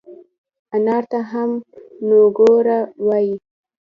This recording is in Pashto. انار ته هم نووګوړه وای